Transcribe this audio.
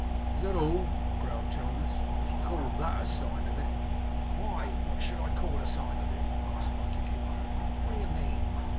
'Is that all?' growled Jonas. 'If you call THAT a sign of it ' 'Why, what should I call a sign of it?' asked Montague, hurriedly. 'What do you mean?